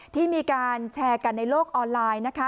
ที่มีการแชร์กันในโลกออนไลน์นะคะ